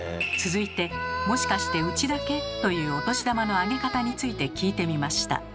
続いて「もしかしてうちだけ？」というお年玉のあげ方について聞いてみました。